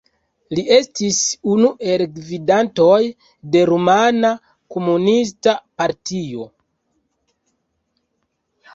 Li estis unu el gvidantoj de Rumana Komunista Partio.